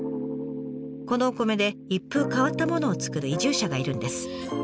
このお米で一風変わったものを作る移住者がいるんです。